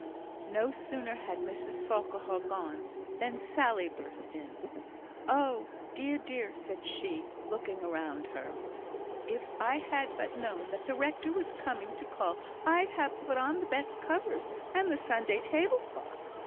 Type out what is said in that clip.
No sooner had Mrs Farquhar gone than Sally burst in. "Oh! dear, dear!" said she, looking around her. "If I had but known that the rector was coming to call, I'd ha' put on the best covers, and the Sunday tablecloth!